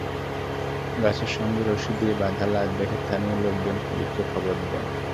গাছের সঙ্গে রশি দিয়ে বাঁধা লাশ দেখে স্থানীয় লোকজন পুলিশকে খবর দেন।